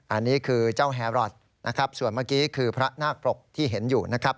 อันนี้คือเจ้าแฮรอทส่วนเมื่อกี้คือพระนากปรกที่เห็นอยู่